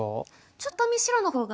ちょっとパッと見白の方が。